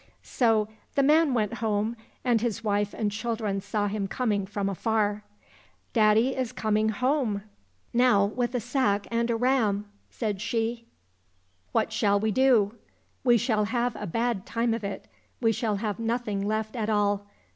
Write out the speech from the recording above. So the man went home, and his wife and children saw him coming from afar. " Daddy is coming home 39 COSSACK FAIRY TALES now with a sack and a ram !" said she ;" what shall we do ? We shall have a bad time of it, we shall have nothing left at all.